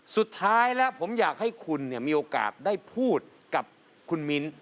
สุดท้ายแล้วผมอยากให้คุณมีโอกาสได้พูดกับคุณมิ้น